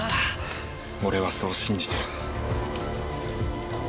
俺はそう信じている。